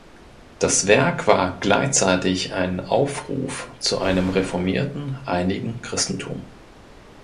Das Werk war gleichzeitig ein Aufruf zu einem reformierten einigen Christentum.